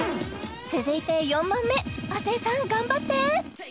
続いて４問目亜生さん頑張って！